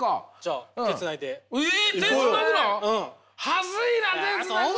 恥ずいな手をつなぐの。